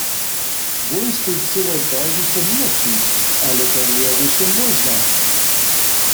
Wój stej chcyłoj pozdźišo nimo přińdź, ale to njeběše móžno.